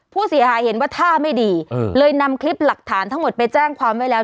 ผู้เสียหายเห็นว่าท่าไม่ดีเลยนำคลิปหลักฐานทั้งหมดไปแจ้งความไว้แล้ว